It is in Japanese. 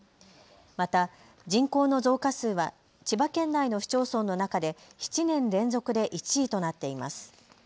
また人口の増加数は千葉県内の市町村の中で７年連続で１位となっています。